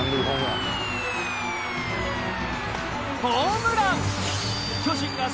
ホームラン！